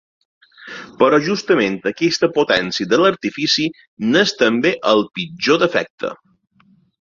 Però justament aquesta potència de l'artifici n'és també el pitjor defecte.